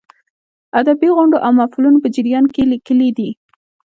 ادبي غونډو او محفلونو په جریان کې یې لیکلې دي.